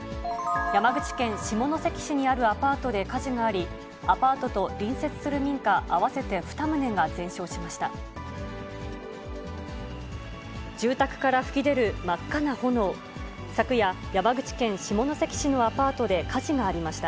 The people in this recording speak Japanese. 山口県下関市にあるアパートで火事があり、アパートと隣接する民家合わせて２棟が全焼しました。